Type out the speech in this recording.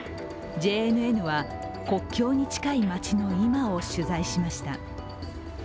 ＪＮＮは、国境に近い街の今を取材しました。